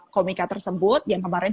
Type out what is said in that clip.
komika tersebut yang kemarin